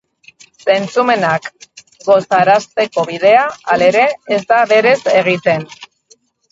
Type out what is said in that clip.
Zentzumenak gozarazteko bidea, halere, ez da berez egiten.